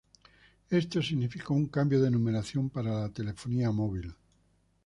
Esto significó un cambio de numeración para la telefonía móvil.